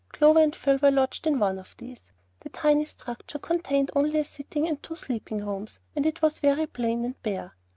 Clover and Phil were lodged in one of these. The tiny structure contained only a sitting and two sleeping rooms, and was very plain and bare.